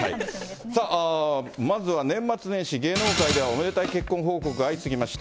さあ、まずは年末年始、芸能界ではおめでたい結婚報告が相次ぎました。